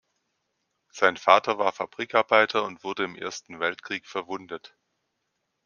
Sein Vater war Fabrikarbeiter und wurde im Ersten Weltkrieg verwundet.